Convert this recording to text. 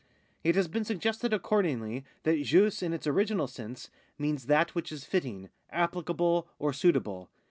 It has been suggested accordingly that jus in its original sense means that which is fitting, applicable, or suitable.